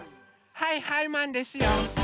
はいはいマンですよ！